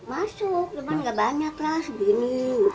masuk cuman gak banyak lah segini